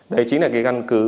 đấy chính là cái găn cứ